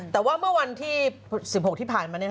แต่ว่าเมื่อวันที่๑๖ที่ผ่านมา